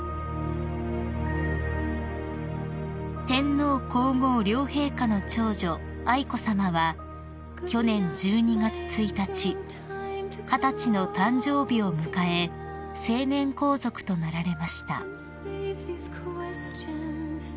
［天皇皇后両陛下の長女愛子さまは去年１２月１日二十歳の誕生日を迎え成年皇族となられました］